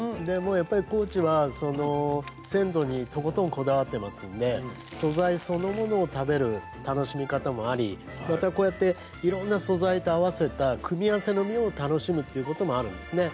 高知は鮮度にとことんこだわってますので素材そのものを食べる楽しみ方もありまたこうやっていろんな素材と合わせた組み合わせの妙を楽しむっていうこともあるんですね。